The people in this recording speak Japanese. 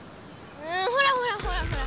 んほらほらほらほら。